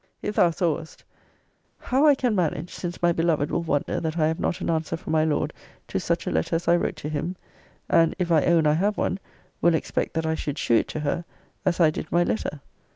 If thou sawest, 'How I can manage, since my beloved will wonder that I have not an answer from my Lord to such a letter as I wrote to him; and if I own I have one, will expect that I should shew it to her, as I did my letter?